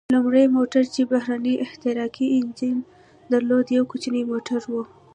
لومړی موټر چې بهرنی احتراقي انجن درلود، یو کوچنی موټر و.